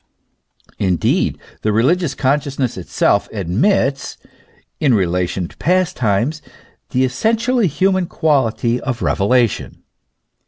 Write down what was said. Indeed, the religious consciousness itself admits, in relation to past times, the essentially human quality of revelation.